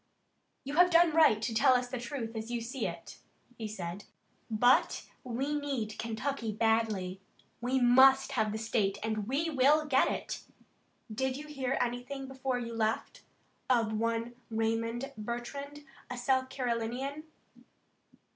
"You have done right to tell us the truth as you see it," he said, "but we need Kentucky badly. We must have the state and we will get it. Did you hear anything before you left, of one Raymond Bertrand, a South Carolinian?"